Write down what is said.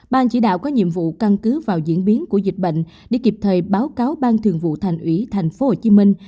ban chỉ đạo có nhiệm vụ căn cứ vào diễn biến của dịch bệnh để kịp thời báo cáo ban thường vụ thành ủy thành phố hồ chí minh